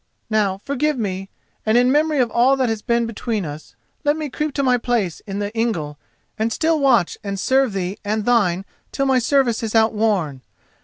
Now, forgive me, and, in memory of all that has been between us, let me creep to my place in the ingle and still watch and serve thee and thine till my service is outworn.